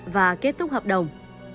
và kết thúc hợp đồng